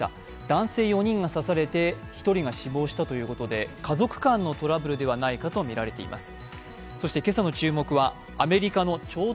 男性４人が刺されて、１人が死亡したということで、家族間のトラブルではないかとみられています。